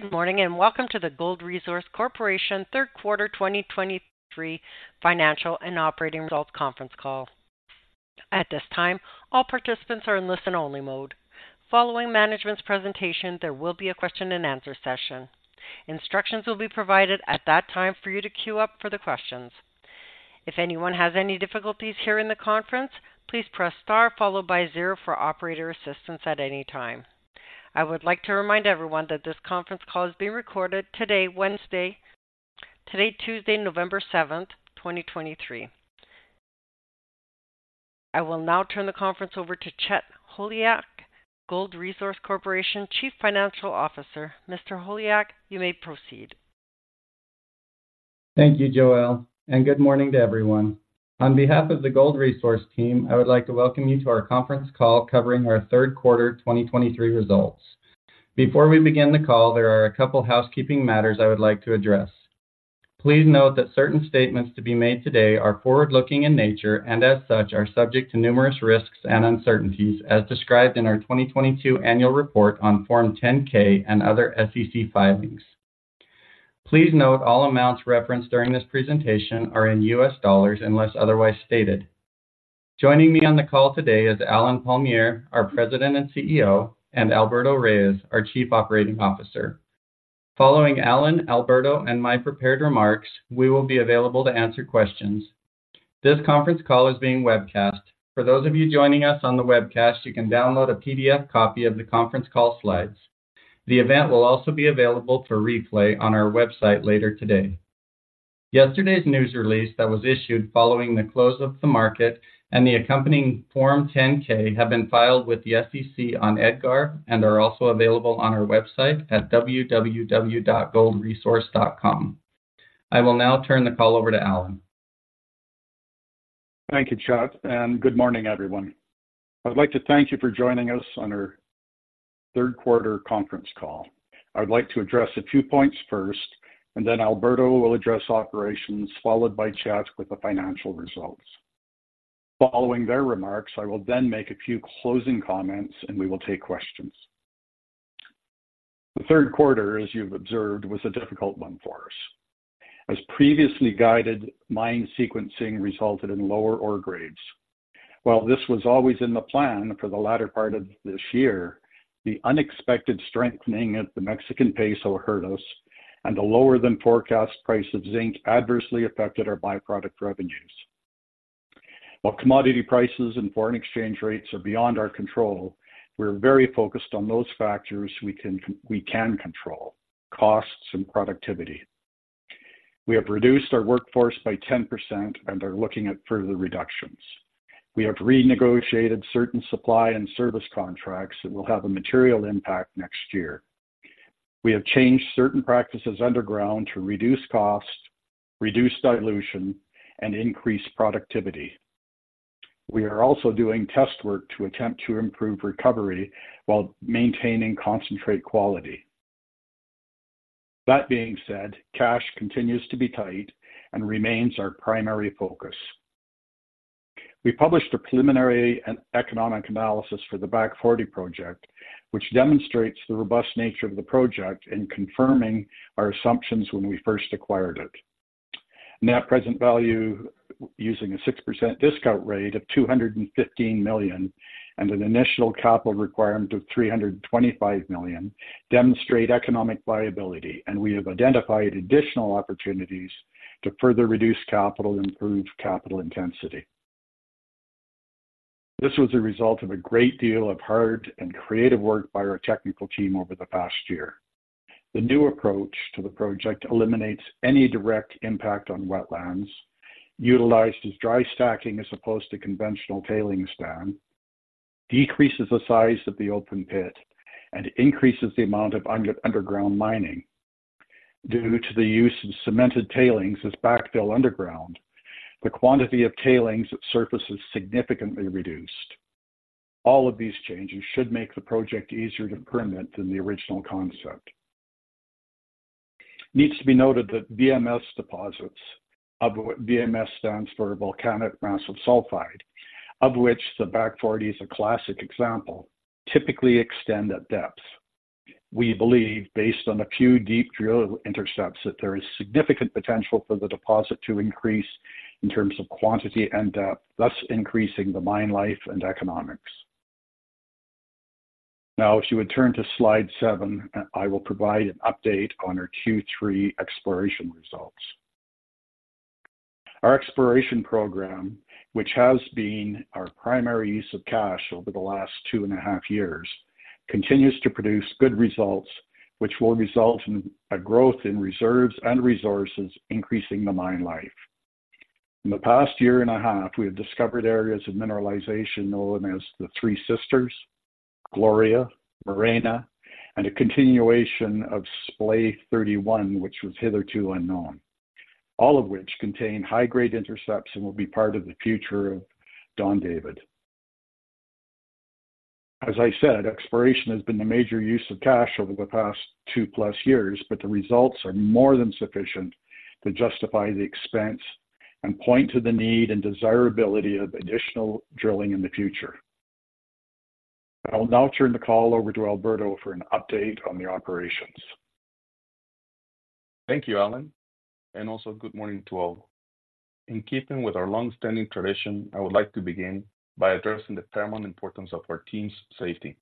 Good morning, and welcome to the Gold Resource Corporation Third Quarter 2023 Financial and Operating Results Conference Call. At this time, all participants are in listen-only mode. Following management's presentation, there will be a question and answer session. Instructions will be provided at that time for you to queue up for the questions. If anyone has any difficulties hearing the conference, please press Star followed by zero for operator assistance at any time. I would like to remind everyone that this conference call is being recorded today, Tuesday, November 7, 2023. I will now turn the conference over to Chet Holyoak, Gold Resource Corporation Chief Financial Officer. Mr. Holyoak, you may proceed. Thank you, Joelle, and good morning to everyone. On behalf of the Gold Resource team, I would like to welcome you to our conference call covering our third quarter 2023 results. Before we begin the call, there are a couple of housekeeping matters I would like to address. Please note that certain statements to be made today are forward-looking in nature and as such, are subject to numerous risks and uncertainties as described in our 2022 annual report on Form 10-K and other SEC filings. Please note all amounts referenced during this presentation are in U.S. dollars unless otherwise stated. Joining me on the call today is Allen Palmiere, our President and CEO, and Alberto Reyes, our Chief Operating Officer. Following Allen, Alberto, and my prepared remarks, we will be available to answer questions. This conference call is being webcast. For those of you joining us on the webcast, you can download a PDF copy of the conference call slides. The event will also be available for replay on our website later today. Yesterday's news release that was issued following the close of the market and the accompanying Form 10-K have been filed with the SEC on EDGAR and are also available on our website at www.goldresource.com. I will now turn the call over to Allen. Thank you, Chet, and good morning, everyone. I'd like to thank you for joining us on our third quarter conference call. I would like to address a few points first, and then Alberto will address operations, followed by Chet with the financial results. Following their remarks, I will then make a few closing comments, and we will take questions. The third quarter, as you've observed, was a difficult one for us. As previously guided, mine sequencing resulted in lower ore grades. While this was always in the plan for the latter part of this year, the unexpected strengthening of the Mexican peso hurt us, and a lower than forecast price of zinc adversely affected our byproduct revenues. While commodity prices and foreign exchange rates are beyond our control, we're very focused on those factors we can, we can control: costs and productivity. We have reduced our workforce by 10% and are looking at further reductions. We have renegotiated certain supply and service contracts that will have a material impact next year. We have changed certain practices underground to reduce costs, reduce dilution, and increase productivity. We are also doing test work to attempt to improve recovery while maintaining concentrate quality. That being said, cash continues to be tight and remains our primary focus. We published a preliminary and economic analysis for the Back Forty project, which demonstrates the robust nature of the project in confirming our assumptions when we first acquired it. Net present value, using a 6% discount rate of $215 million and an initial capital requirement of $325 million, demonstrate economic viability, and we have identified additional opportunities to further reduce capital and improve capital intensity. This was a result of a great deal of hard and creative work by our technical team over the past year. The new approach to the project eliminates any direct impact on wetlands, utilized as dry stacking as opposed to conventional tailings dam, decreases the size of the open pit, and increases the amount of under-underground mining. Due to the use of cemented tailings as backfill underground, the quantity of tailings at surface is significantly reduced. All of these changes should make the project easier to permit than the original concept. It needs to be noted that VMS deposits, VMS stands for Volcanogenic Massive Sulfide, of which the Back Forty is a classic example, typically extend at depth. We believe, based on a few deep drill intercepts, that there is significant potential for the deposit to increase in terms of quantity and depth, thus increasing the mine life and economics. Now, if you would turn to slide 7, I will provide an update on our Q3 exploration results. Our exploration program, which has been our primary use of cash over the last two and a half years, continues to produce good results, which will result in a growth in reserves and resources, increasing the mine life. In the past year and a half, we have discovered areas of mineralization known as the Three Sisters, Gloria, Morena, and a continuation of Splay 31, which was hitherto unknown, all of which contain high-grade intercepts and will be part of the future of Don David. As I said, exploration has been the major use of cash over the past two+ years, but the results are more than sufficient to justify the expense and point to the need and desirability of additional drilling in the future. I will now turn the call over to Alberto for an update on the operations. Thank you, Allen, and also good morning to all. In keeping with our long-standing tradition, I would like to begin by addressing the paramount importance of our team's safety.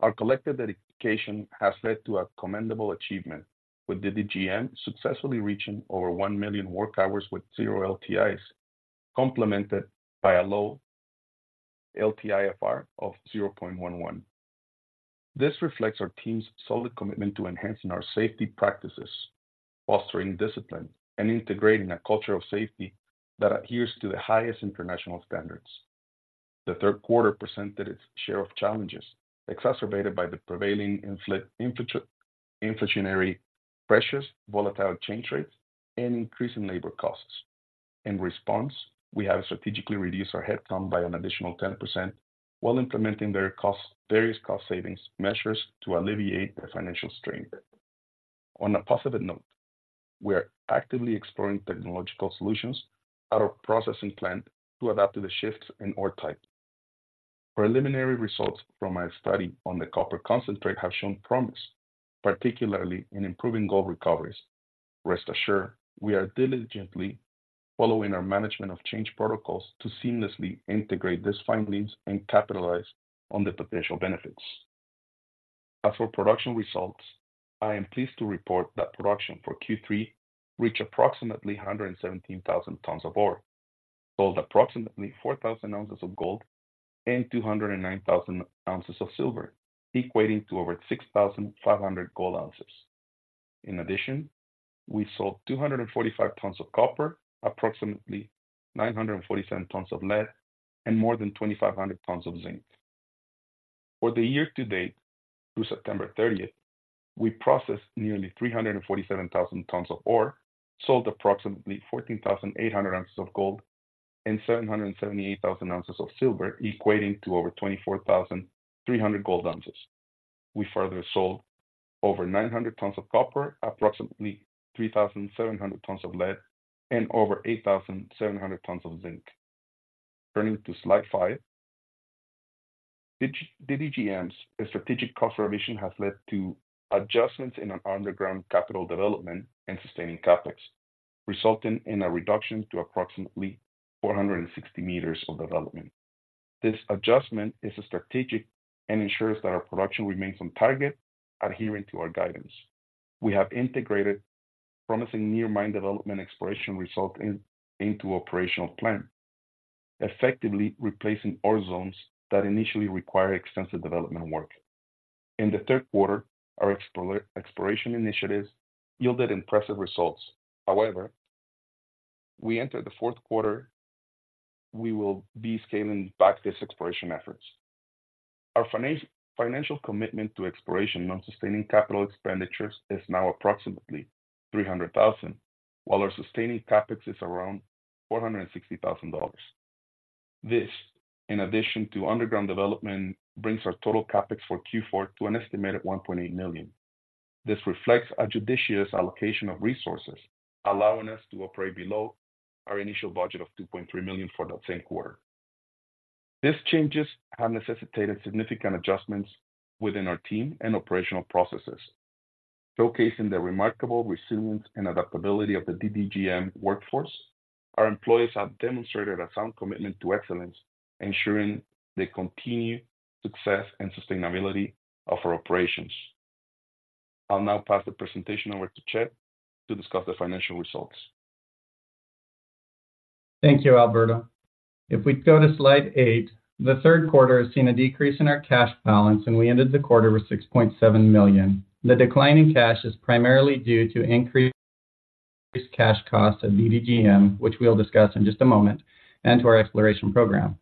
Our collective dedication has led to a commendable achievement, with the DDGM successfully reaching over 1 million work hours with zero LTIs, complemented by a low LTIFR of 0.11. This reflects our team's solid commitment to enhancing our safety practices, fostering discipline, and integrating a culture of safety that adheres to the highest international standards. The third quarter presented its share of challenges, exacerbated by the prevailing inflationary pressures, volatile exchange rates, and increasing labor costs. In response, we have strategically reduced our headcount by an additional 10% while implementing various cost savings measures to alleviate the financial strain. On a positive note, we are actively exploring technological solutions at our processing plant to adapt to the shifts in ore type. Preliminary results from our study on the copper concentrate have shown promise, particularly in improving gold recoveries. Rest assured, we are diligently following our management of change protocols to seamlessly integrate these findings and capitalize on the potential benefits. As for production results, I am pleased to report that production for Q3 reached approximately 117,000 tons of ore, sold approximately 4,000 ounces of gold and 209,000 ounces of silver, equating to over 6,500 gold ounces. In addition, we sold 245 tons of copper, approximately 947 tons of lead, and more than 2,500 tons of zinc. For the year to date, through September 30, we processed nearly 347,000 tons of ore, sold approximately 14,800 ounces of gold, and 778,000 ounces of silver, equating to over 24,300 gold ounces. We further sold over 900 tons of copper, approximately 3,700 tons of lead, and over 8,700 tons of zinc. Turning to slide 5, DDGM's strategic cost revision has led to adjustments in our underground capital development and sustaining CapEx, resulting in a reduction to approximately 460 meters of development. This adjustment is strategic and ensures that our production remains on target, adhering to our guidance. We have integrated promising near mine development exploration resulting into operational plan, effectively replacing ore zones that initially require extensive development work. In the third quarter, our exploration initiatives yielded impressive results. However, we enter the fourth quarter, we will be scaling back these exploration efforts. Our financial commitment to exploration, non-sustaining capital expenditures, is now approximately $300,000, while our sustaining CapEx is around $460,000. This, in addition to underground development, brings our total CapEx for Q4 to an estimated $1.8 million. This reflects a judicious allocation of resources, allowing us to operate below our initial budget of $2.3 million for that same quarter. These changes have necessitated significant adjustments within our team and operational processes, showcasing the remarkable resilience and adaptability of the DDGM workforce. Our employees have demonstrated a sound commitment to excellence, ensuring the continued success and sustainability of our operations. I'll now pass the presentation over to Chet to discuss the financial results. Thank you, Alberto. If we go to slide 8, the third quarter has seen a decrease in our cash balance, and we ended the quarter with $6.7 million. The decline in cash is primarily due to increased cash costs at DDGM, which we'll discuss in just a moment, and to our exploration program.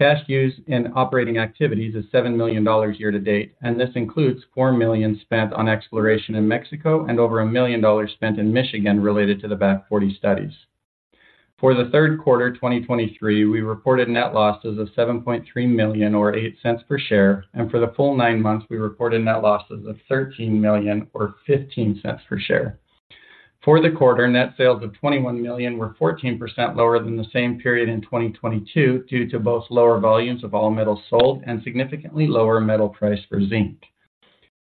Cash use in operating activities is $7 million year to date, and this includes $4 million spent on exploration in Mexico and over $1 million spent in Michigan related to the Back Forty studies. For the third quarter, 2023, we reported net losses of $7.3 million, or $0.08 per share, and for the full nine months, we reported net losses of $13 million or $0.15 per share. For the quarter, net sales of $21 million were 14% lower than the same period in 2022, due to both lower volumes of all metals sold and significantly lower metal price for zinc.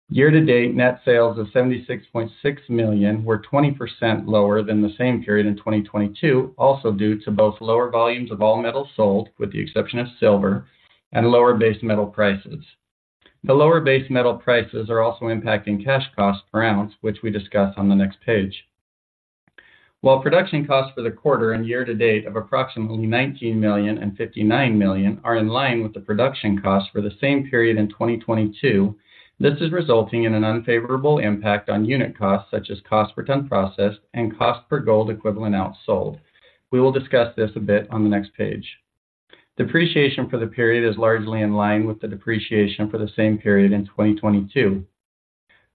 Year to date, net sales of $76.6 million were 20% lower than the same period in 2022, also due to both lower volumes of all metals sold, with the exception of silver and lower base metal prices. The lower base metal prices are also impacting cash costs per ounce, which we discuss on the next page. While production costs for the quarter and year to date of approximately $19 million and $59 million are in line with the production costs for the same period in 2022, this is resulting in an unfavorable impact on unit costs, such as cost per ton processed and cost per gold equivalent ounce sold. We will discuss this a bit on the next page. Depreciation for the period is largely in line with the depreciation for the same period in 2022.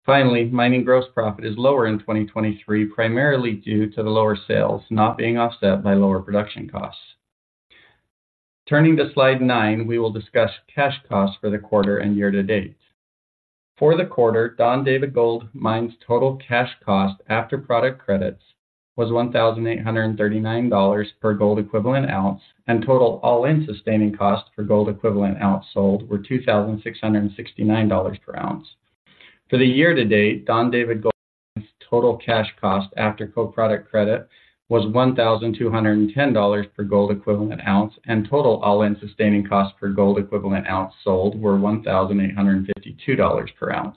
Finally, mining gross profit is lower in 2023, primarily due to the lower sales not being offset by lower production costs. Turning to slide 9, we will discuss cash costs for the quarter and year to date. For the quarter, Don David Gold Mine's total cash cost after product credits was $1,839 per gold equivalent ounce, and total all-in sustaining costs for gold equivalent ounce sold were $2,669 per ounce. For the year to date, Don David Gold's total cash cost after co-product credit was $1,210 per gold equivalent ounce, and total all-in sustaining cost per gold equivalent ounce sold were $1,852 per ounce.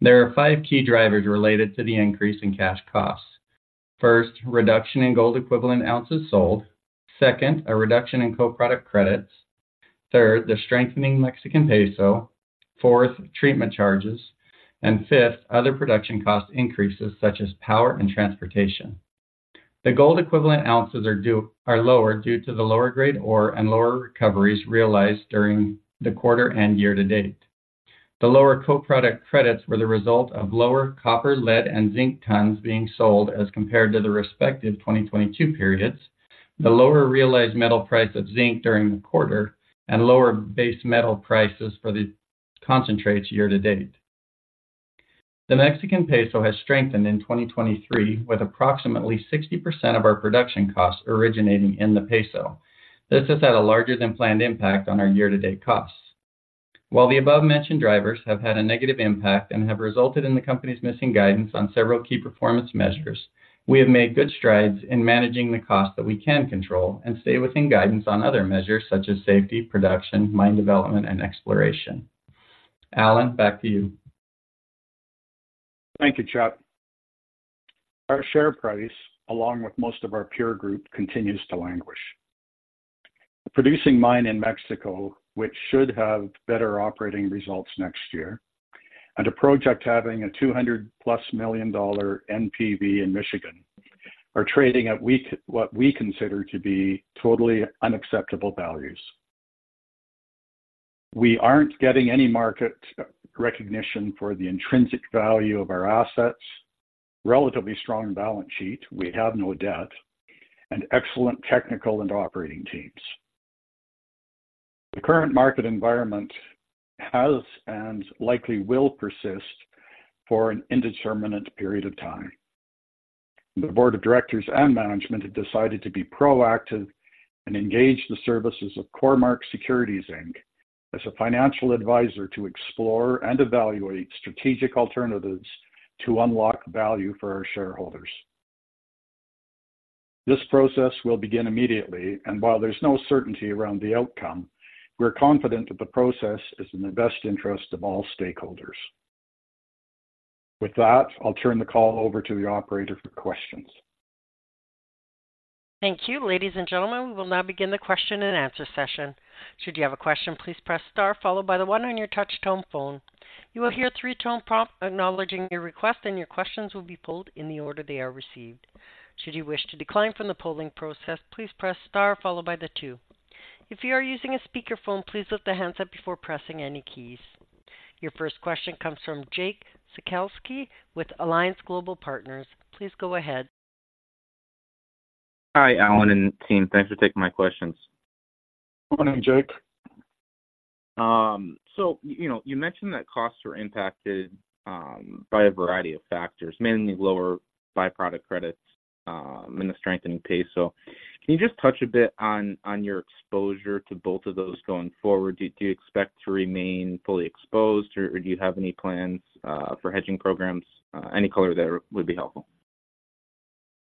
There are five key drivers related to the increase in cash costs. First, reduction in gold equivalent ounces sold. Second, a reduction in co-product credits. Third, the strengthening Mexican peso. Fourth, treatment charges, and fifth, other production cost increases, such as power and transportation. The gold equivalent ounces are lower due to the lower grade ore and lower recoveries realized during the quarter and year to date. The lower co-product credits were the result of lower copper, lead, and zinc tons being sold as compared to the respective 2022 periods, the lower realized metal price of zinc during the quarter, and lower base metal prices for the concentrates year-to-date. The Mexican peso has strengthened in 2023, with approximately 60% of our production costs originating in the peso. This has had a larger than planned impact on our year-to-date costs. While the above-mentioned drivers have had a negative impact and have resulted in the company's missing guidance on several key performance measures, we have made good strides in managing the costs that we can control and stay within guidance on other measures such as safety, production, mine development, and exploration. Allen, back to you. Thank you, Chet. Our share price, along with most of our peer group, continues to languish. Producing mine in Mexico, which should have better operating results next year, and a project having a $200 million+ NPV in Michigan, are trading at what we consider to be totally unacceptable values. We aren't getting any market recognition for the intrinsic value of our assets, relatively strong balance sheet, we have no debt, and excellent technical and operating teams. The current market environment has and likely will persist for an indeterminate period of time. The board of directors and management have decided to be proactive and engage the services of Cormark Securities Inc. As a financial advisor to explore and evaluate strategic alternatives to unlock value for our shareholders. This process will begin immediately, and while there's no certainty around the outcome, we're confident that the process is in the best interest of all stakeholders. With that, I'll turn the call over to the operator for questions. Thank you. Ladies and gentlemen, we will now begin the question and answer session. Should you have a question, please press star followed by the one on your touch tone phone. You will hear three-tone prompt acknowledging your request, and your questions will be pulled in the order they are received. Should you wish to decline from the polling process, please press star followed by the two. If you are using a speakerphone, please lift the handset before pressing any keys. Your first question comes from Jake Sekelsky with Alliance Global Partners. Please go ahead. Hi, Allen and team. Thanks for taking my questions. Good morning, Jake. So, you know, you mentioned that costs were impacted by a variety of factors, mainly lower by-product credits and the strengthening peso. Can you just touch a bit on your exposure to both of those going forward? Do you expect to remain fully exposed, or do you have any plans for hedging programs? Any color there would be helpful.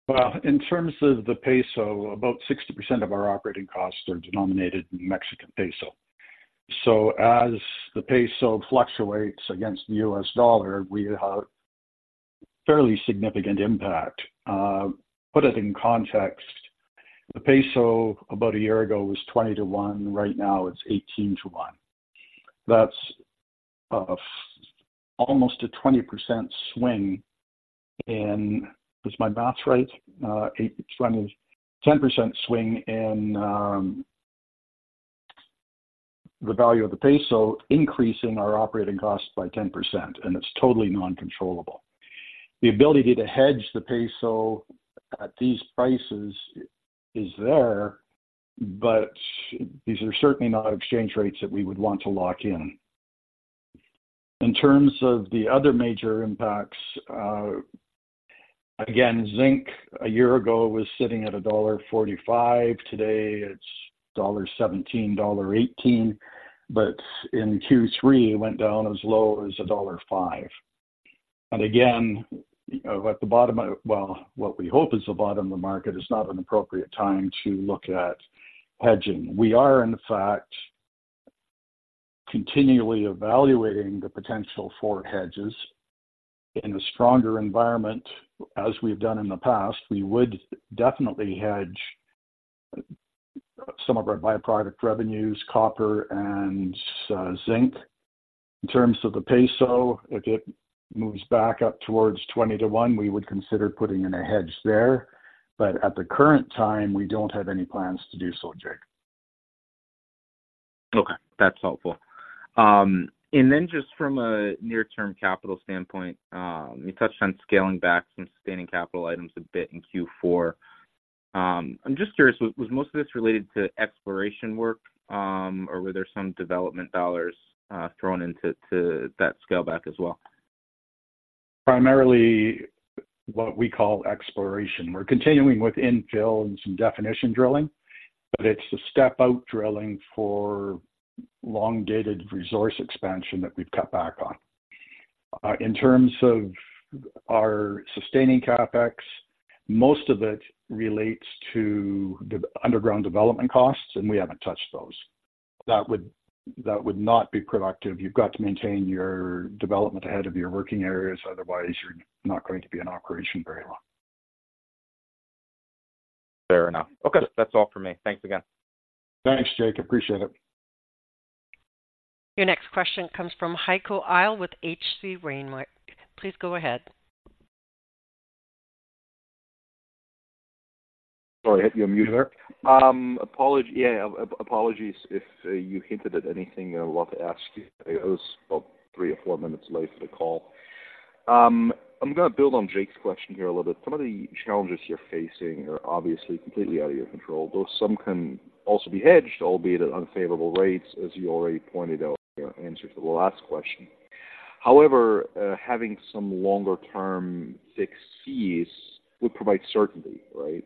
Well, in terms of the peso, about 60% of our operating costs are denominated in Mexican peso. So as the peso fluctuates against the U.S. dollar, we have fairly significant impact. Put it in context, the peso about a year ago was 20 to $1, right now it's 18 to $1. That's almost a 20% swing in-- Is my math right? 8 to 20, 10% swing in the value of the peso, increasing our operating costs by 10%, and it's totally non-controllable. The ability to hedge the peso at these prices is there, but these are certainly not exchange rates that we would want to lock in. In terms of the other major impacts, again, zinc a year ago was sitting at $1.45. Today, it's $1.17, $1.18, but in Q3, it went down as low as $1.05. And again, at the bottom of, well, what we hope is the bottom of the market is not an appropriate time to look at hedging. We are, in fact, continually evaluating the potential for hedges. In a stronger environment, as we've done in the past, we would definitely hedge some of our by-product revenues, copper and zinc. In terms of the peso, if it moves back up towards 20 to $1, we would consider putting in a hedge there, but at the current time, we don't have any plans to do so, Jake. Okay, that's helpful. And then just from a near-term capital standpoint, you touched on scaling back some sustaining capital items a bit in Q4. I'm just curious, was most of this related to exploration work, or were there some development dollars thrown into that scale back as well? Primarily, what we call exploration. We're continuing with infill and some definition drilling, but it's the step-out drilling for long-dated resource expansion that we've cut back on. In terms of our sustaining CapEx, most of it relates to the underground development costs, and we haven't touched those. That would not be productive. You've got to maintain your development ahead of your working areas, otherwise you're not going to be in operation very long. Fair enough. Okay, that's all for me. Thanks again. Thanks, Jake. Appreciate it. Your next question comes from Heiko Ihle with H.C. Wainwright. Please go ahead. Sorry, you're on mute there. Apology. Yeah, apologies if you hinted at anything I want to ask you. I was about three or four minutes late for the call. I'm gonna build on Jake's question here a little bit. Some of the challenges you're facing are obviously completely out of your control, though some can also be hedged, albeit at unfavorable rates, as you already pointed out in your answer to the last question. However, having some longer-term fixed fees would provide certainty, right?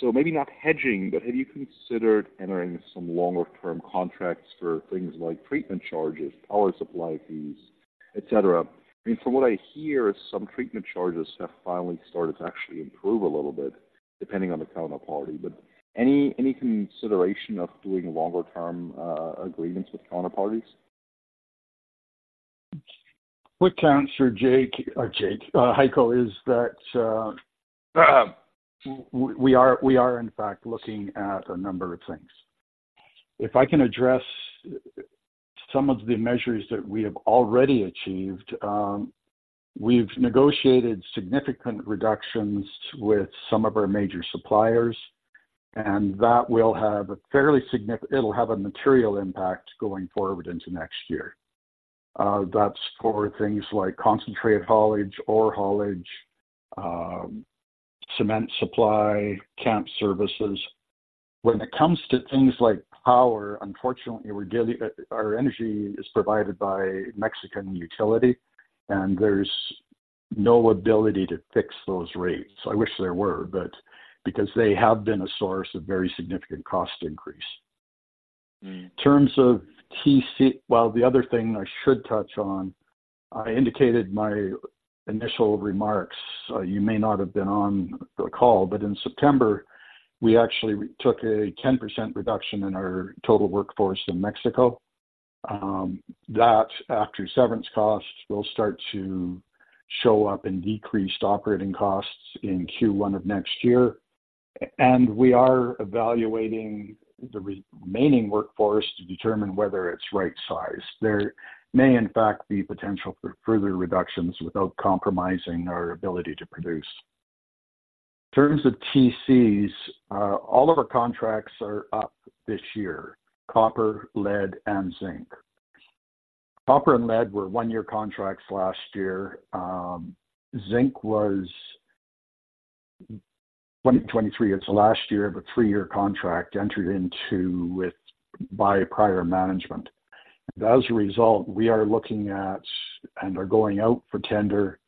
So maybe not hedging, but have you considered entering some longer-term contracts for things like treatment charges, power supply fees, et cetera? I mean, from what I hear, some treatment charges have finally started to actually improve a little bit, depending on the counterparty. But any consideration of doing longer-term agreements with counterparties? Quick answer, Jake-- Heiko, is that we are, we are in fact looking at a number of things. If I can address some of the measures that we have already achieved, we've negotiated significant reductions with some of our major suppliers, and that will have a fairly significant—it'll have a material impact going forward into next year. That's for things like concentrate haulage or haulage, cement supply, camp services. When it comes to things like power, unfortunately, we're. Our energy is provided by Mexican utility, and there's no ability to fix those rates. I wish there were, but because they have been a source of very significant cost increase. In terms of TC-- Well, the other thing I should touch on, I indicated my initial remarks. You may not have been on the call, but in September, we actually took a 10% reduction in our total workforce in Mexico. That, after severance costs, will start to show up in decreased operating costs in Q1 of next year. And we are evaluating the re-remaining workforce to determine whether it's right-sized. There may, in fact, be potential for further reductions without compromising our ability to produce. In terms of TCs, all of our contracts are up this year: copper, lead, and zinc. Copper and lead were one-year contracts last year. Zinc was 2023. It's the last year of a three-year contract entered into with by prior management. And as a result, we are looking at and are going out for tender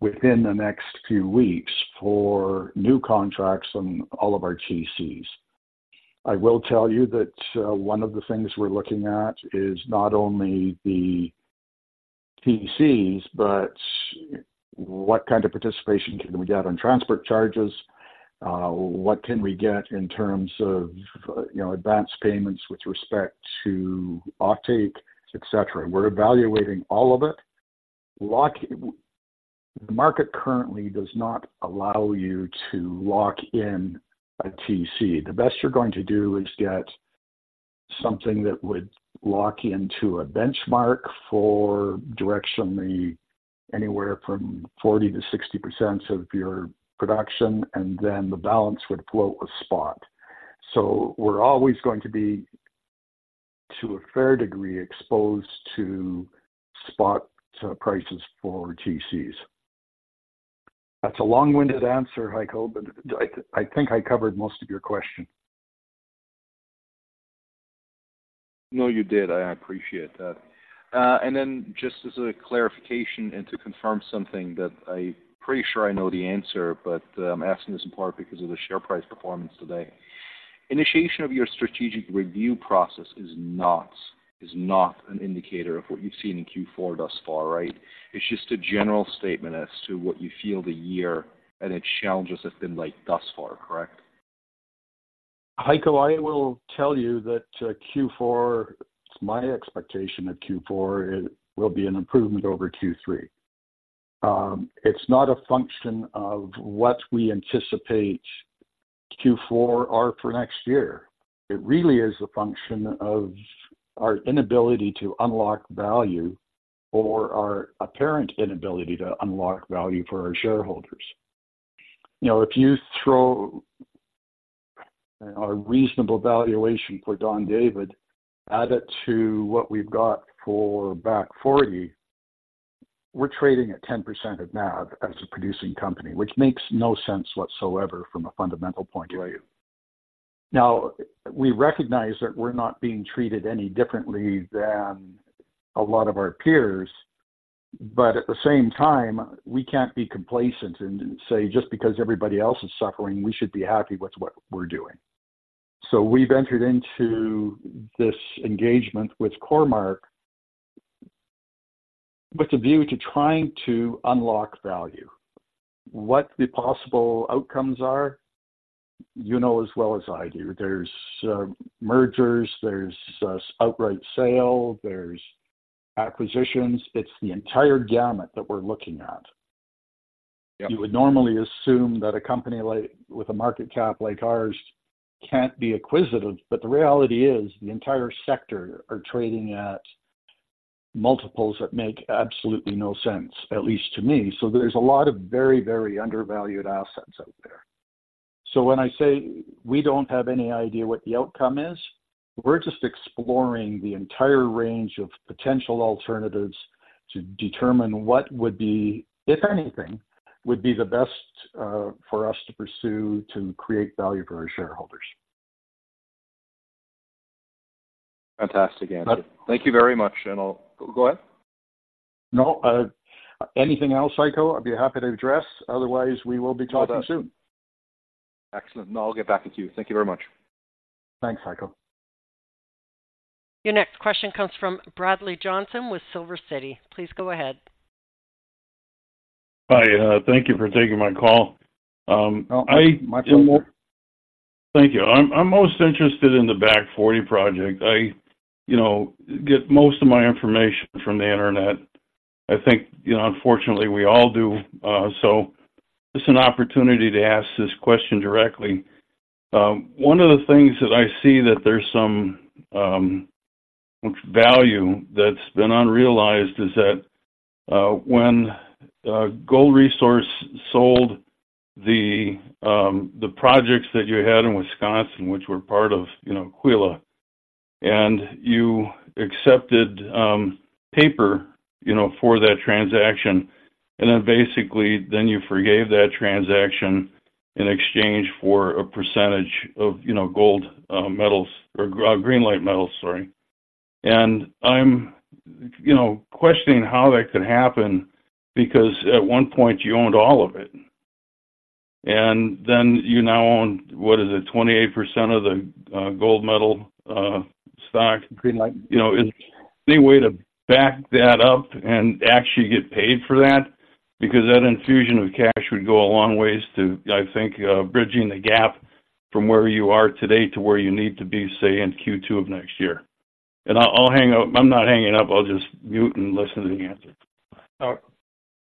within the next few weeks for new contracts on all of our TCs. I will tell you that, one of the things we're looking at is not only the TCs, but what kind of participation can we get on transport charges? What can we get in terms of, you know, advanced payments with respect to offtake, et cetera. We're evaluating all of it. The market currently does not allow you to lock in a TC. The best you're going to do is get something that would lock into a benchmark for directionally anywhere from 40%-60% of your production, and then the balance would float with spot. So we're always going to be, to a fair degree, exposed to spot, prices for TCs. That's a long-winded answer, Heiko, but I think I covered most of your question. No, you did. I appreciate that. And then just as a clarification and to confirm something that I'm pretty sure I know the answer, but I'm asking this in part because of the share price performance today. Initiation of your strategic review process is not, is not an indicator of what you've seen in Q4 thus far, right? It's just a general statement as to what you feel the year and its challenges have been like thus far, correct? Heiko, I will tell you that, Q4, my expectation of Q4 is, will be an improvement over Q3. It's not a function of what we anticipate Q4 or for next year. It really is a function of our inability to unlock value or our apparent inability to unlock value for our shareholders. You know, our reasonable valuation for Don David, add it to what we've got for Back Forty, we're trading at 10% of NAV as a producing company, which makes no sense whatsoever from a fundamental point of view. Now, we recognize that we're not being treated any differently than a lot of our peers, but at the same time, we can't be complacent and say, just because everybody else is suffering, we should be happy with what we're doing. So we've entered into this engagement with Cormark, with a view to trying to unlock value. What the possible outcomes are, you know as well as I do, there's mergers, there's outright sale, there's acquisitions. It's the entire gamut that we're looking at. Yeah. You would normally assume that a company like, with a market cap like ours can't be acquisitive, but the reality is the entire sector are trading at multiples that make absolutely no sense, at least to me. So there's a lot of very, very undervalued assets out there. So when I say we don't have any idea what the outcome is, we're just exploring the entire range of potential alternatives to determine what would be, if anything, would be the best, for us to pursue to create value for our shareholders. Fantastic. Thank you very much, and go ahead. No, anything else, Heiko, I'd be happy to address; otherwise, we will be talking soon. Excellent. I'll get back to you. Thank you very much. Thanks, Heiko. Your next question comes from Bradley Johnson with Silver City. Please go ahead. Hi, thank you for taking my call. I-- My pleasure. Thank you. I'm most interested in the Back Forty project. I you know get most of my information from the internet. I think you know unfortunately we all do so this is an opportunity to ask this question directly. One of the things that I see that there's some value that's been unrealized is that when Gold Resource sold the the projects that you had in Wisconsin which were part of you know Aquila and you accepted paper you know for that transaction and then basically then you forgave that transaction in exchange for a percentage of you know gold metals or Green Light Metals sorry. And I'm you know questioning how that could happen because at one point you owned all of it and then you now own what is it? 28% of the Gold Metal stock-- Green Light. You know, is there any way to back that up and actually get paid for that? Because that infusion of cash would go a long ways to, I think, bridging the gap from where you are today to where you need to be, say, in Q2 of next year. And I'll hang up-- I'm not hanging up, I'll just mute and listen to the answer.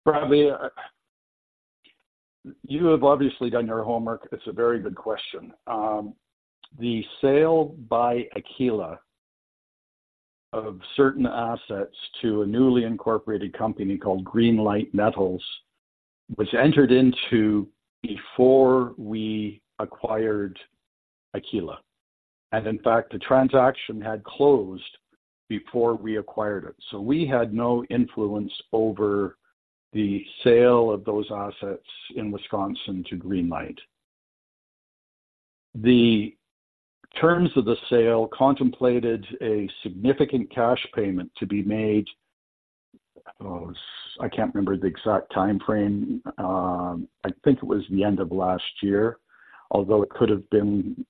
Bradley, you have obviously done your homework. It's a very good question. The sale by Aquila of certain assets to a newly incorporated company called Green Light Metals was entered into before we acquired Aquila. And in fact, the transaction had closed before we acquired it, so we had no influence over the sale of those assets in Wisconsin to Green Light. The terms of the sale contemplated a significant cash payment to be made. I can't remember the exact time frame. I think it was the end of last year, although it could have been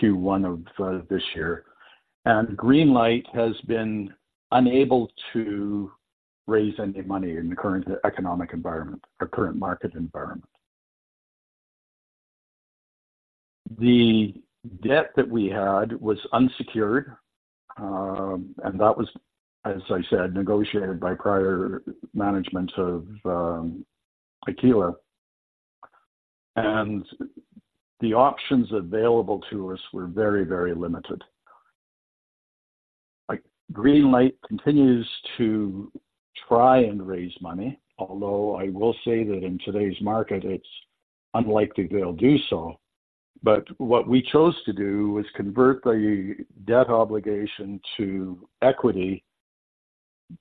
Q1 of this year. And Green Light has been unable to raise any money in the current economic environment or current market environment. The debt that we had was unsecured, and that was, as I said, negotiated by prior management of Aquila. The options available to us were very, very limited. Like, Green Light continues to try and raise money, although I will say that in today's market, it's unlikely they'll do so. But what we chose to do was convert the debt obligation to equity,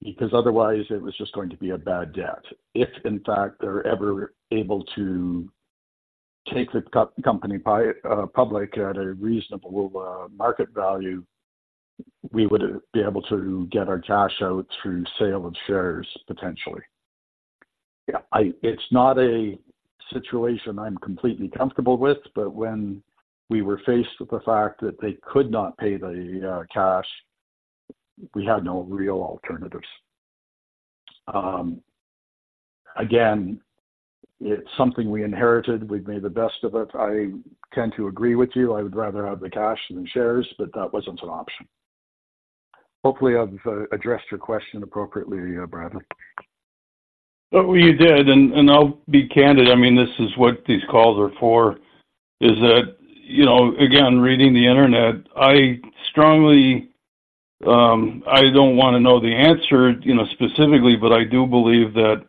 because otherwise it was just going to be a bad debt. If, in fact, they're ever able to take the company public at a reasonable market value, we would be able to get our cash out through sale of shares, potentially. It's not a situation I'm completely comfortable with, but when we were faced with the fact that they could not pay the cash, we had no real alternatives. Again, it's something we inherited. We've made the best of it. I tend to agree with you. I would rather have the cash than the shares, but that wasn't an option. Hopefully, I've addressed your question appropriately, Bradley. Oh, you did, and I'll be candid. I mean, this is what these calls are for, is that, you know, again, reading the internet, I don't want to know the answer, you know, specifically, but I do believe that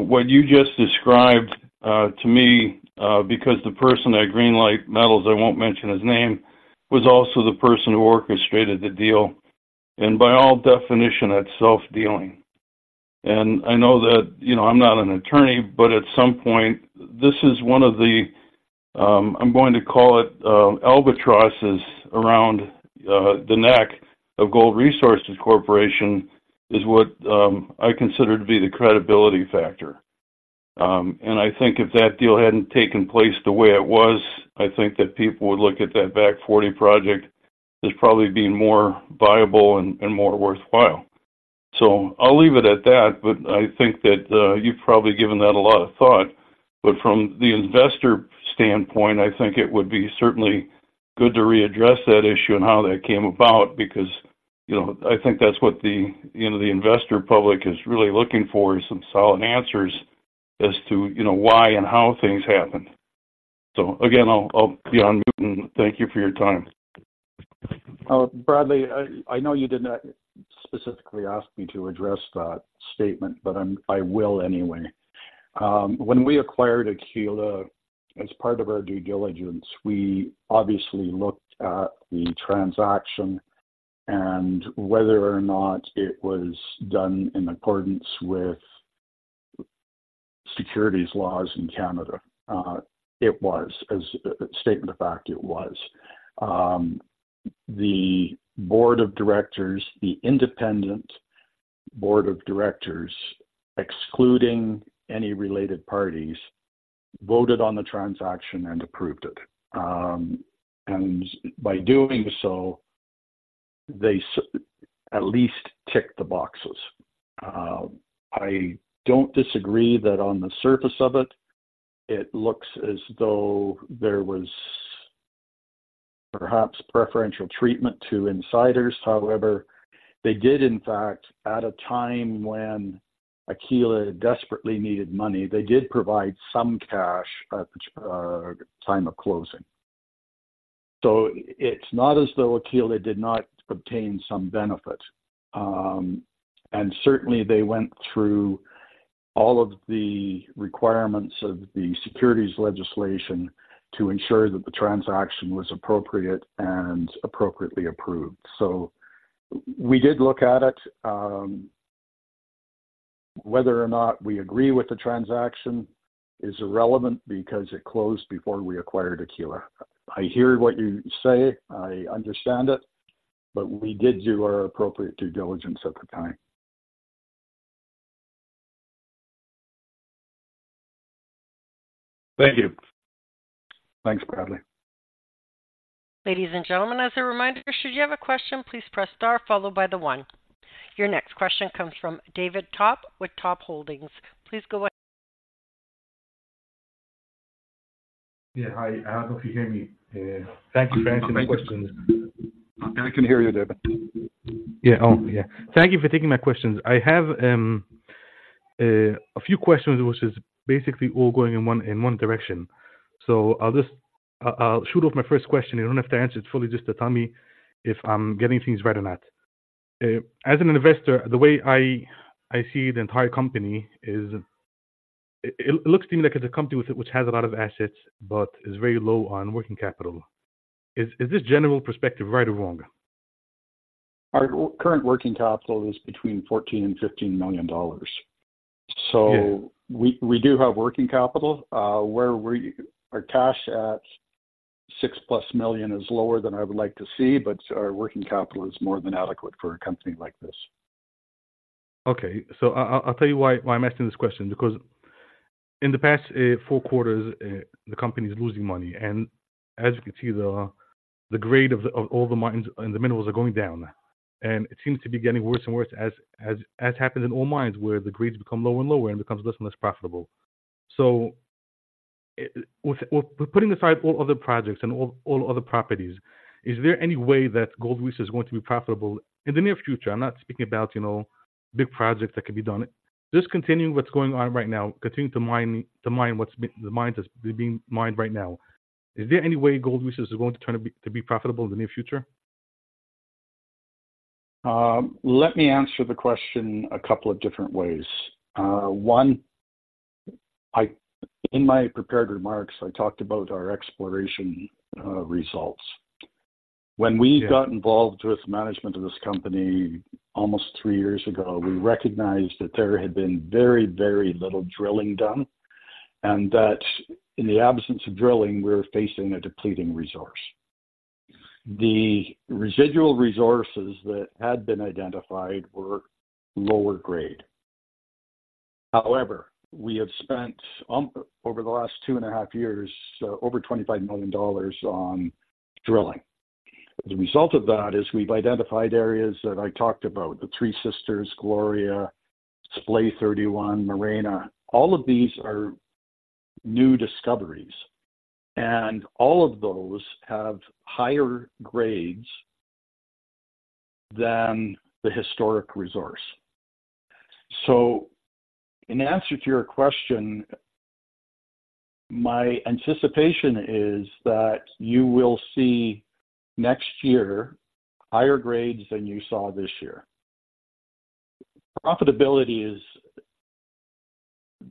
what you just described to me, because the person at Green Light Metals, I won't mention his name, was also the person who orchestrated the deal, and by all definition, that's self-dealing. And I know that, you know, I'm not an attorney, but at some point, this is one of the, I'm going to call it, albatrosses around the neck of Gold Resource Corporation, is what I consider to be the credibility factor. And I think if that deal hadn't taken place the way it was, I think that people would look at that Back Forty project as probably being more viable and more worthwhile. So I'll leave it at that, but I think that you've probably given that a lot of thought. But from the investor standpoint, I think it would be certainly good to readdress that issue and how that came about, because, you know, I think that's what the, you know, the investor public is really looking for, is some solid answers as to, you know, why and how things happened. So again, I'll be on mute, and thank you for your time. Bradley, I know you did not specifically ask me to address that statement, but I will anyway. When we acquired Aquila, as part of our due diligence, we obviously looked at the transaction and whether or not it was done in accordance with securities laws in Canada. It was, as a statement of fact, it was. The Board of Directors, the independent Board of Directors, excluding any related parties, voted on the transaction and approved it. By doing so, they at least ticked the boxes. I don't disagree that on the surface of it, it looks as though there was perhaps preferential treatment to insiders. However, they did, in fact, at a time when Aquila desperately needed money, they did provide some cash at time of closing. So it's not as though Aquila did not obtain some benefit. Certainly, they went through all of the requirements of the securities legislation to ensure that the transaction was appropriate and appropriately approved. So we did look at it. Whether or not we agree with the transaction is irrelevant because it closed before we acquired Aquila. I hear what you say, I understand it, but we did do our appropriate due diligence at the time. Thank you. Thanks, Bradley. Ladies and gentlemen, as a reminder, should you have a question, please press Star followed by the one. Your next question comes from David Top with Top Holdings. Please go ahead. Yeah, hi. I hope you hear me. Thank you for answering my questions. I can hear you, David. Yeah. Oh, yeah. Thank you for taking my questions. I have a few questions, which is basically all going in one direction. So I'll just. I'll shoot off my first question. You don't have to answer it fully, just to tell me if I'm getting things right or not. As an investor, the way I see the entire company is it looks to me like it's a company which has a lot of assets but is very low on working capital. Is this general perspective right or wrong? Our current working capital is between $14 million-$15 million. Yeah. We do have working capital, where our cash at $6 million+ is lower than I would like to see, but our working capital is more than adequate for a company like this. Okay, so I'll tell you why I'm asking this question, because in the past four quarters the company is losing money, and as you can see, the grade of all the mines and the minerals are going down, and it seems to be getting worse and worse, as happens in all mines, where the grades become lower and lower and becomes less and less profitable. So, putting aside all other projects and all other properties, is there any way that Gold Resource is going to be profitable in the near future? I'm not speaking about, you know, big projects that could be done. Just continuing what's going on right now, continuing to mine what's the mine that's being mined right now. Is there any way Gold Resource is going to try to be profitable in the near future? Let me answer the question a couple of different ways. One, in my prepared remarks, I talked about our exploration results. When we got involved with management of this company almost three years ago, we recognized that there had been very, very little drilling done, and that in the absence of drilling, we were facing a depleting resource. The residual resources that had been identified were lower grade. However, we have spent over the last two and a half years over $25 million on drilling. The result of that is we've identified areas that I talked about, the Three Sisters, Gloria, Splay 31, Morena. All of these are new discoveries, and all of those have higher grades than the historic resource. So in answer to your question my anticipation is that you will see next year higher grades than you saw this year. Profitability is,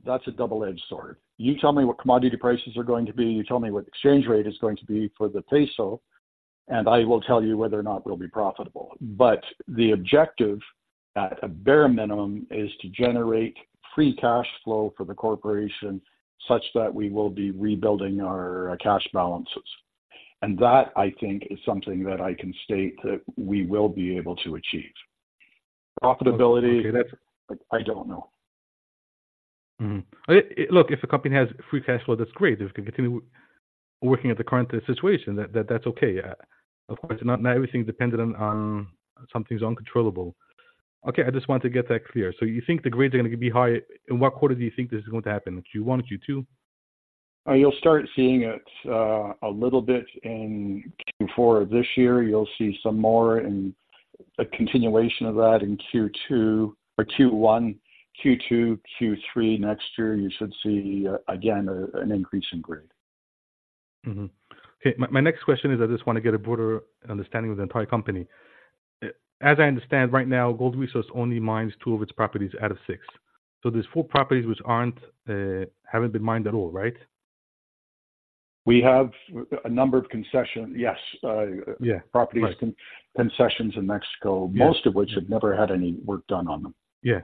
that's a double-edged sword. You tell me what commodity prices are going to be, you tell me what the exchange rate is going to be for the peso, and I will tell you whether or not we'll be profitable. But the objective, at a bare minimum, is to generate free cash flow for the corporation such that we will be rebuilding our cash balances. And that, I think, is something that I can state that we will be able to achieve. Profitability, that, I don't know. Look, if a company has free cash flow, that's great. If it can continue working at the current situation, that's okay. Yeah, of course, not everything is dependent on some things uncontrollable. Okay, I just want to get that clear. So you think the grades are gonna be high. In what quarter do you think this is going to happen? Q1 or Q2? You'll start seeing it a little bit in Q4 of this year. You'll see some more and a continuation of that in Q2 or Q1, Q2, Q3 next year. You should see again an increase in grade. Okay, my next question is, I just want to get a broader understanding of the entire company. As I understand, right now, Gold Resource only mines two of its properties out of six. So there's four properties which aren't, haven't been mined at all, right? We have a number of concessions. Yes. Properties, concessions in Mexico, most of which have never had any work done on them. Yeah.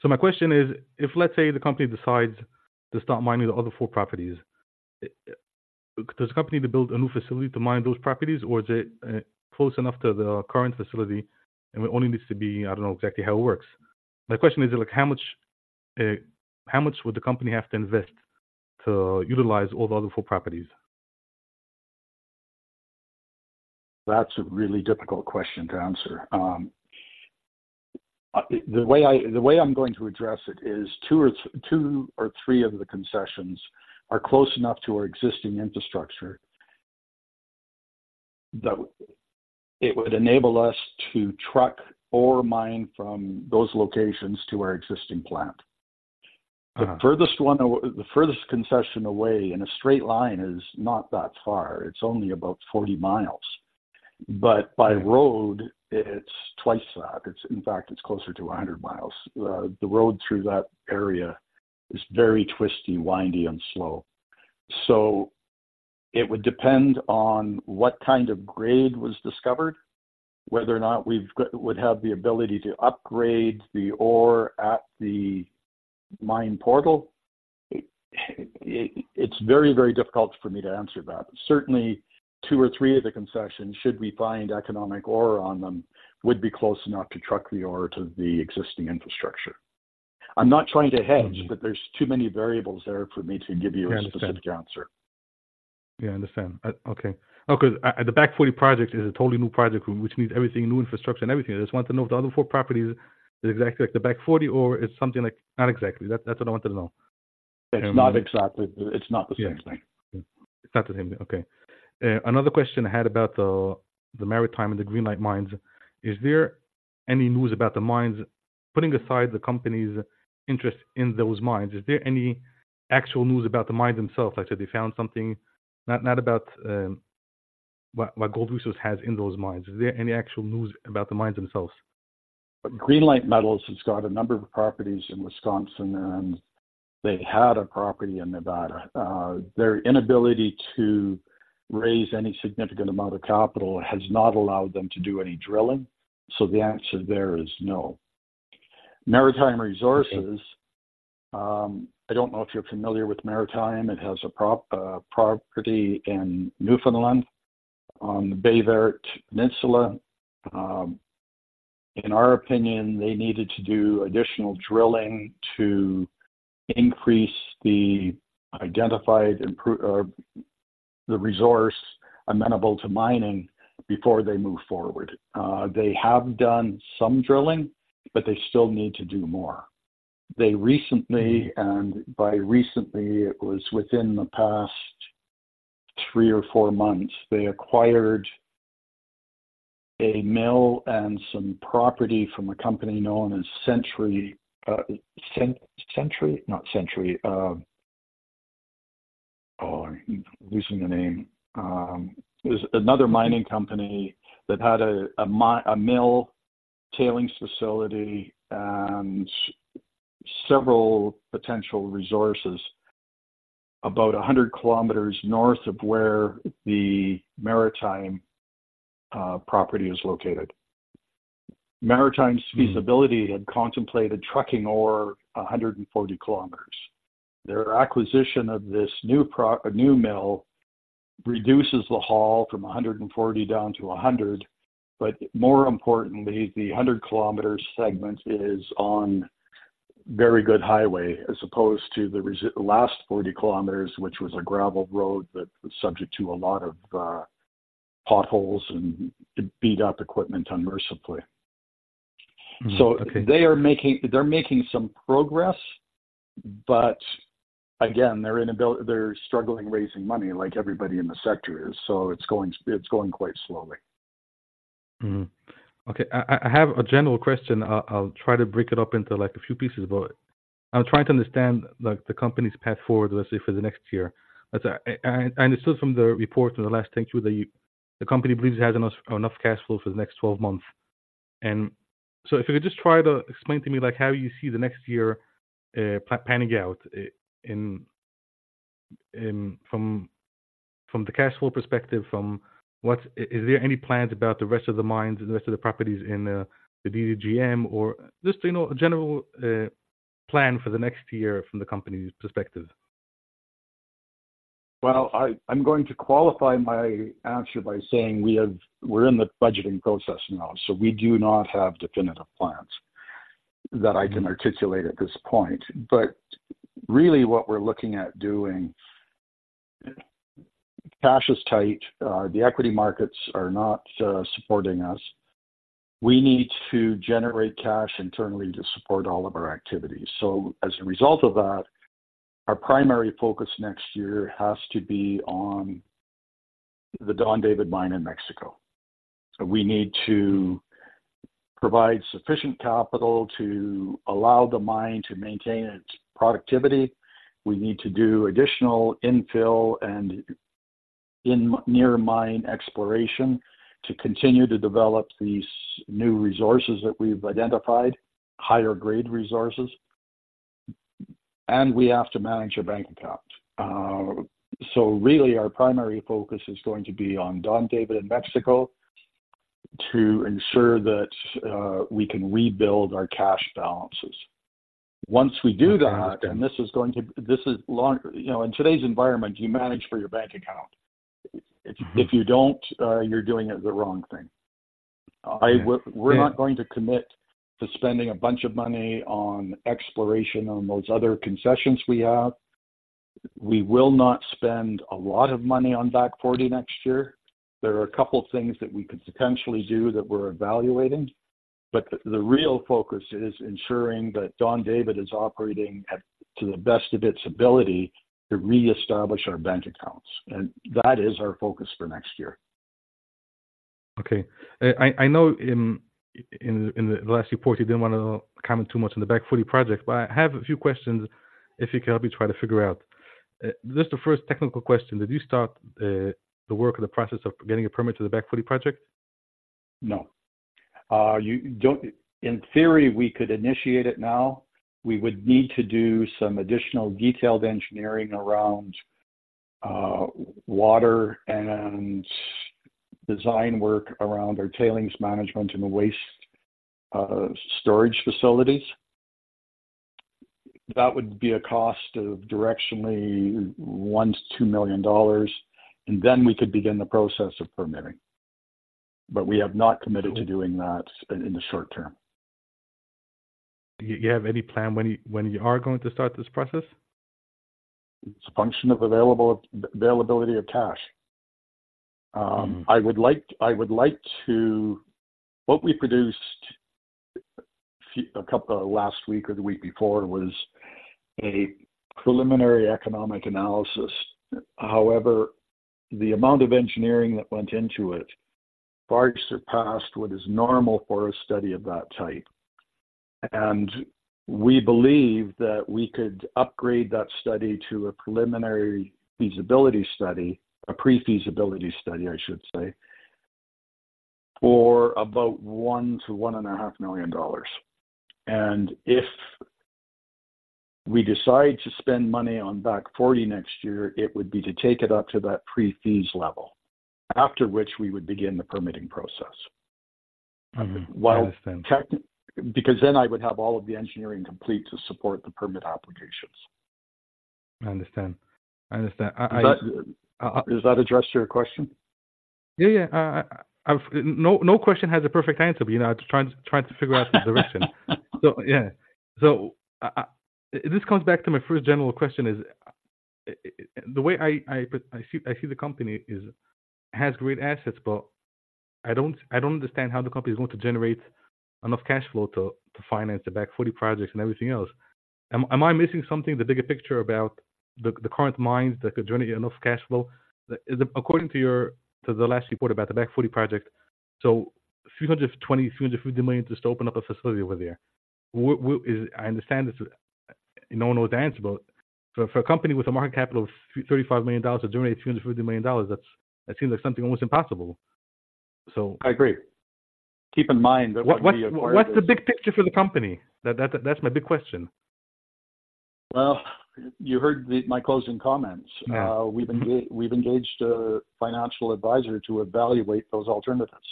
So my question is, if, let's say, the company decides to start mining the other four properties, does the company need to build a new facility to mine those properties, or is it close enough to the current facility and it only needs to be-- I don't know exactly how it works. My question is, like, how much, how much would the company have to invest to utilize all the other four properties? That's a really difficult question to answer. The way I'm going to address it is two or three of the concessions are close enough to our existing infrastructure, that it would enable us to truck or mine from those locations to our existing plant. Okay. The furthest one, the furthest concession away in a straight line is not that far. It's only about 40 miles, but by road, it's twice that. It's in fact, it's closer to 100 miles. The road through that area is very twisty, windy, and slow. So it would depend on what kind of grade was discovered, whether or not we've would have the ability to upgrade the ore at the mine portal. It's very, very difficult for me to answer that. Certainly, two or three of the concessions, should we find economic ore on them, would be close enough to truck the ore to the existing infrastructure. I'm not trying to hedge, but there's too many variables there for me to give you a specific answer. Yeah, I understand. Okay. Okay, the Back Forty project is a totally new project, which means everything, new infrastructure and everything. I just want to know if the other four properties is exactly like the Back Forty, or it's something like-- Not exactly. That, that's what I wanted to know. It's not exactly, it's not the same thing. It's not the same. Okay. Another question I had about the Maritime and the Green Light mines. Is there any news about the mines? Putting aside the company's interest in those mines, is there any actual news about the mine themselves? Like, did they found something, not about what Gold Resource has in those mines. Is there any actual news about the mines themselves? Light Metals has got a number of properties in Wisconsin, and they had a property in Nevada. Their inability to raise any significant amount of capital has not allowed them to do any drilling. So the answer there is no. Maritime Resources, I don't know if you're familiar with Maritime. It has a property in Newfoundland, on the Bay d'Espoir Peninsula. In our opinion, they needed to do additional drilling to increase the identified resource amenable to mining before they move forward. They have done some drilling, but they still need to do more. They recently, and by recently, it was within the past three or four months, they acquired a mill and some property from a company known as Cent-Century? Not Century, oh, I'm losing the name. It was another mining company that had a mill tailings facility and several potential resources, about 100 km north of where the Maritime property is located. Maritime's feasibility had contemplated trucking ore 140 km. Their acquisition of this new mill reduces the haul from 140 down to 100, but more importantly, the 100 km segment is on very good highway, as opposed to the last 40 km, which was a gravel road that was subject to a lot of potholes and beat up equipment unmercifully. Okay. So they are making some progress, but again, they're struggling raising money like everybody in the sector is, so it's going quite slowly. Okay, I have a general question. I'll try to break it up into, like, a few pieces, but I'm trying to understand, like, the company's path forward, let's say, for the next year. As I understood from the report in the last thing, too, that you, the company believes it has enough cash flow for the next 12 months. So if you could just try to explain to me, like, how you see the next year panning out in from the cash flow perspective, from what's. Is there any plans about the rest of the mines and the rest of the properties in the DDGM? Or just, you know, a general plan for the next year from the company's perspective. Well, I’m going to qualify my answer by saying we have—we’re in the budgeting process now, so we do not have definitive plans that I can articulate at this point. But really, what we’re looking at doing, cash is tight. The equity markets are not supporting us. We need to generate cash internally to support all of our activities. So as a result of that, our primary focus next year has to be on the Don David Mine in Mexico. We need to provide sufficient capital to allow the mine to maintain its productivity. We need to do additional infill and in near mine exploration to continue to develop these new resources that we’ve identified, higher grade resources, and we have to manage our bank account. So really, our primary focus is going to be on Don David in Mexico, to ensure that we can rebuild our cash balances. Once we do that-- I understand. This is long-- You know, in today's environment, you manage for your bank account. If you don't, you're doing it the wrong thing. We're not going to commit to spending a bunch of money on exploration on those other concessions we have. We will not spend a lot of money on Back Forty next year. There are a couple things that we could potentially do that we're evaluating, but the real focus is ensuring that Don David is operating at, to the best of its ability to reestablish our bank accounts, and that is our focus for next year. Okay. I know in the last report, you didn't want to comment too much on the Back Forty project, but I have a few questions, if you can help me try to figure out. Just the first technical question: Did you start the work or the process of getting a permit to the Back Forty project? No. You don't. In theory, we could initiate it now. We would need to do some additional detailed engineering around, water and design work around our tailings management and waste, storage facilities. That would be a cost of directionally $1 million-$2 million, and then we could begin the process of permitting. But we have not committed to doing that in the short term. Do you have any plan when you are going to start this process? It's a function of availability of cash. What we produced a few, a couple of last week or the week before, was a preliminary economic analysis. However, the amount of engineering that went into it far surpassed what is normal for a study of that type. We believe that we could upgrade that study to a preliminary feasibility study, a pre-feasibility study, I should say, for about $1 million-$1.5 million. If we decide to spend money on Back Forty next year, it would be to take it up to that pre-feasibility level, after which we would begin the permitting process. I understand. Because then I would have all of the engineering complete to support the permit applications. I understand. Does that address your question? Yeah. I've-- No, no question has a perfect answer, but, you know, I'm just trying to figure out the direction. So, yeah. So this comes back to my first general question, is the way I see the company has great assets, but I don't understand how the company is going to generate enough cash flow to finance the Back Forty project and everything else. Am I missing something, the bigger picture about the current mines that could generate enough cash flow? Is it-- According to your last report about the Back Forty project, so $320 million-$350 million, just to open up a facility over there. What is-- I understand this, no one knows the answer, but for a company with a market capital of $35 million to generate $350 million, that's, that seems like something almost impossible. So-- I agree. Keep in mind that when we acquired this-- What's the big picture for the company? That's my big question. Well, you heard my closing comments. We've engaged a financial advisor to evaluate those alternatives.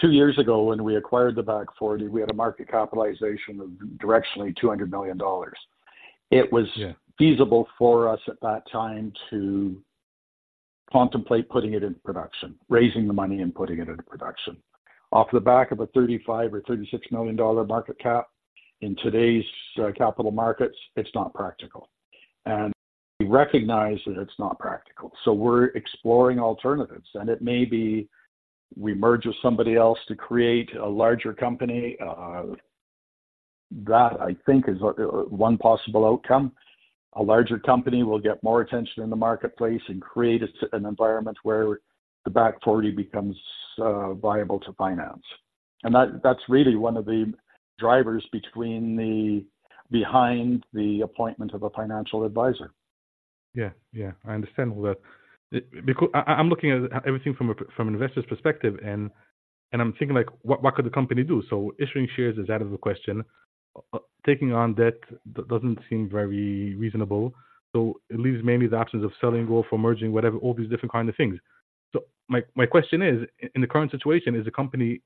Two years ago, when we acquired the Back Forty, we had a market capitalization of directionally $200 million. It was feasible for us at that time to contemplate putting it in production, raising the money and putting it into production. Off the back of a $35 million or $36 million market cap, in today's capital markets, it's not practical. We recognize that it's not practical, so we're exploring alternatives, and it may be we merge with somebody else to create a larger company. That, I think, is one possible outcome. A larger company will get more attention in the marketplace and create an environment where the Back Forty becomes viable to finance. That's really one of the drivers behind the appointment of a financial advisor. Yeah, I understand all that. Because I, I'm looking at everything from an investor's perspective, and I'm thinking like, what could the company do? So issuing shares is out of the question. Taking on debt, that doesn't seem very reasonable. So it leaves mainly the options of selling or merging, whatever, all these different kind of things. So my question is, in the current situation, is the company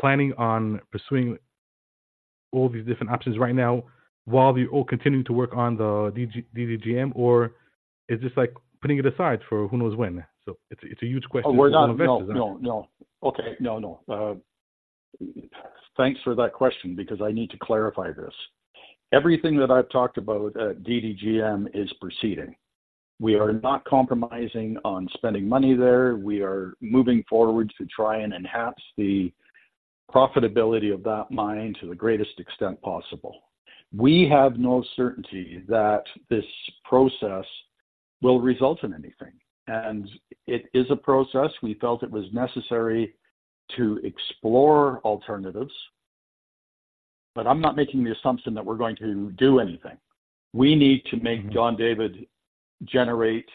planning on pursuing all these different options right now while you all continue to work on the DDGM, or is this like putting it aside for who knows when? So it's a huge question for investors, isn't it? We're not. No, no. Okay. No, no. Thanks for that question because I need to clarify this. Everything that I've talked about at DDGM is proceeding. We are not compromising on spending money there. We are moving forward to try and enhance the profitability of that mine to the greatest extent possible. We have no certainty that this process will result in anything, and it is a process. We felt it was necessary to explore alternatives, but I'm not making the assumption that we're going to do anything. We need to make Don David generate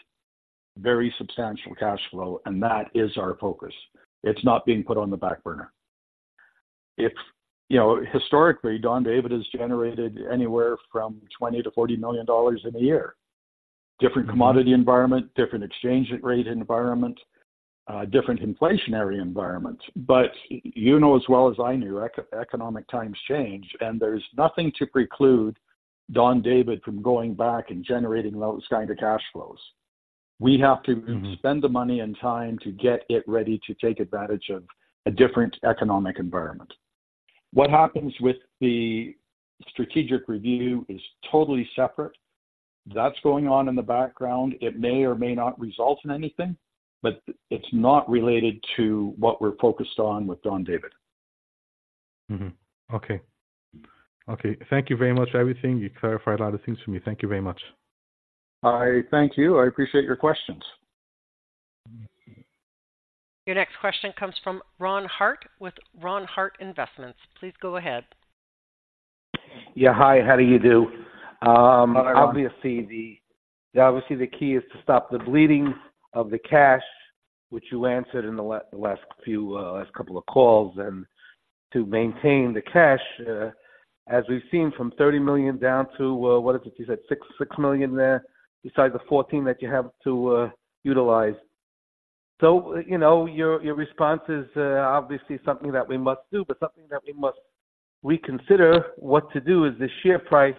very substantial cash flow, and that is our focus. It's not being put on the back burner. If, you know, historically, Don David has generated anywhere from $20 million-$40 million in a year. Different commodity environment, different exchange rate environment, different inflationary environment. But you know as well as I know, economic times change, and there's nothing to preclude Don David from going back and generating those kind of cash flows. We have to spend the money and time to get it ready to take advantage of a different economic environment. What happens with the strategic review is totally separate. That's going on in the background. It may or may not result in anything, but it's not related to what we're focused on with Don David. Okay, thank you very much for everything. You clarified a lot of things for me. Thank you very much. I thank you. I appreciate your questions. Your next question comes from Ron Hart with Ron Hart Investments. Please go ahead. Yeah, hi, how do you do? Hi, Ron. Obviously, the key is to stop the bleeding of the cash, which you answered in the last few, last couple of calls, and to maintain the cash, as we've seen, from $30 million down to, what is it you said, $6 million there, besides the $14 that you have to utilize. So, you know, your, your response is obviously something that we must do, but something that we must reconsider what to do is the share price,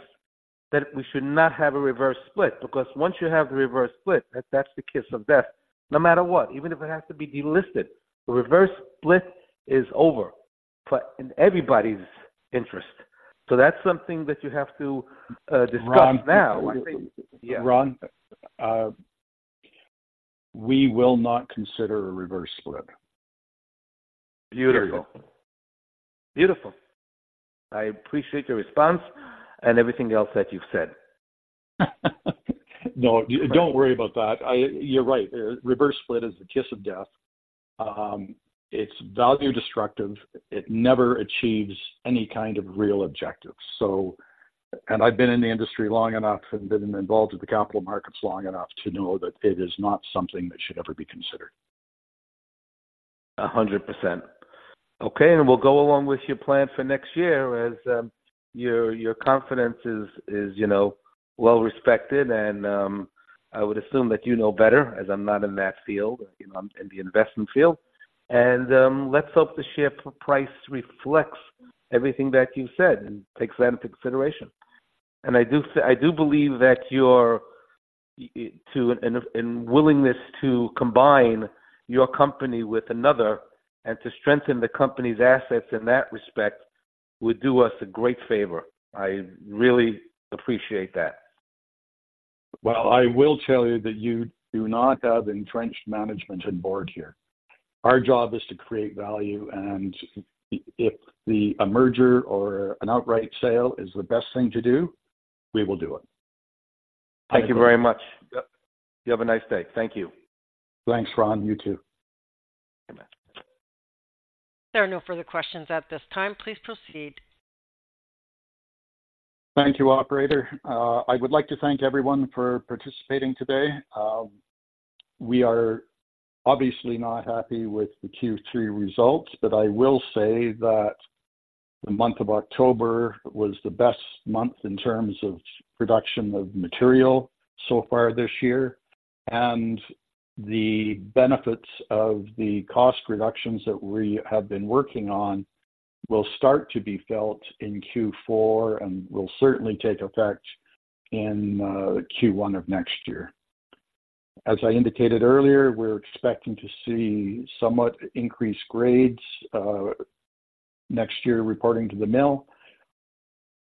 that we should not have a reverse split. Because once you have the reverse split, that's the kiss of death. No matter what, even if it has to be delisted, the reverse split is over for, in everybody's interest. So that's something that you have to discuss now. Ron, we will not consider a reverse split. Beautiful. I appreciate the response and everything else that you've said. No, don't worry about that. I-- You're right. Reverse split is the kiss of death. It's value destructive. It never achieves any kind of real objective. So, and I've been in the industry long enough and been involved in the capital markets long enough to know that it is not something that should ever be considered. 100%. Okay, and we'll go along with your plan for next year, as your confidence is, you know, well respected and I would assume that you know better, as I'm not in that field. You know, I'm in the investment field. Let's hope the share price reflects everything that you've said and takes that into consideration. I do believe that your willingness to combine your company with another and to strengthen the company's assets in that respect would do us a great favor. I really appreciate that. Well, I will tell you that you do not have entrenched management and board here. Our job is to create value, and if a merger or an outright sale is the best thing to do, we will do it. Thank you very much. You have a nice day. Thank you. Thanks, Ron. You, too. There are no further questions at this time. Please proceed. Thank you, operator. I would like to thank everyone for participating today. We are obviously not happy with the Q3 results, but I will say that the month of October was the best month in terms of production of material so far this year, and the benefits of the cost reductions that we have been working on will start to be felt in Q4 and will certainly take effect in Q1 of next year. As I indicated earlier, we're expecting to see somewhat increased grades next year, reporting to the mill.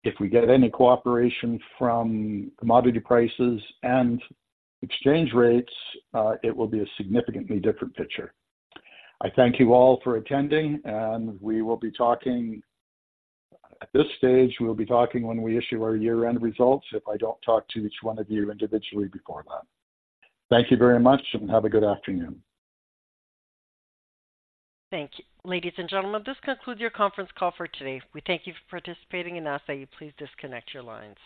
If we get any cooperation from commodity prices and exchange rates, it will be a significantly different picture. I thank you all for attending, and we will be talking-- At this stage, we'll be talking when we issue our year-end results, if I don't talk to each one of you individually before that. Thank you very much, and have a good afternoon. Thank you. Ladies and gentlemen, this concludes your conference call for today. We thank you for participating, and I ask that you please disconnect your lines.